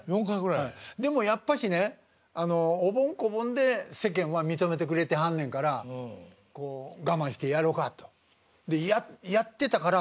でもやっぱしねあのおぼん・こぼんで世間は認めてくれてはんねんからこう我慢してやろかと。でやってたから。